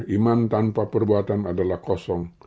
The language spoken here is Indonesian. iman tanpa perbuatan adalah kosong